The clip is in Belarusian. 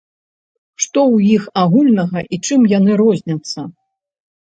Што ў іх агульнага і чым яны розняцца?